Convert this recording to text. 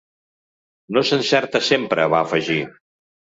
“No s’encerta sempre”, va afegir.